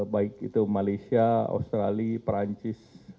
baik itu malaysia australia perancis